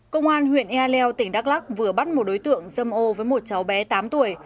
công an huyện ea leo tỉnh đắk lắc vừa bắt một đối tượng dâm ô với một cháu bé tám tuổi